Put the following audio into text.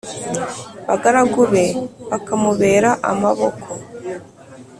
bagaragu be bakamubera amaboko